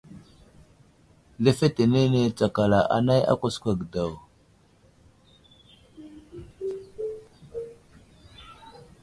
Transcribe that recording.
Lefetenene tsakala anay a kwaskwa ge daw.